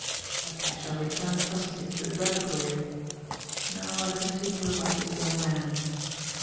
But I shall return presently to the reliquary. Now I continue about this young man.